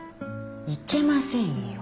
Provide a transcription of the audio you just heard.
行けませんよ。